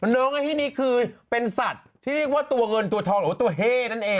น้องไอ้ที่นี่คือเป็นสัตว์ที่เรียกว่าตัวเงินตัวทองหรือว่าตัวเฮ่นั่นเอง